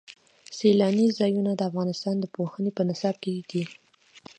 سیلاني ځایونه د افغانستان د پوهنې په نصاب کې دي.